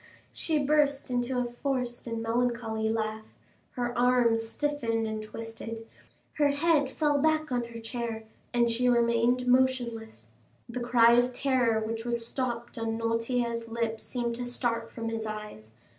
She burst into a forced and melancholy laugh, her arms stiffened and twisted, her head fell back on her chair, and she remained motionless. The cry of terror which was stopped on Noirtier's lips, seemed to start from his eyes.